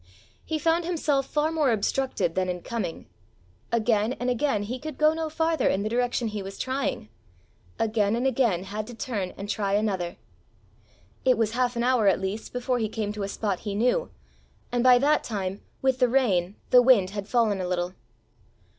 He found himself far more obstructed than in coming. Again and again he could go no farther in the direction he was trying, again and again had to turn and try another. It was half an hour at least before he came to a spot he knew, and by that time, with the rain the wind had fallen a little.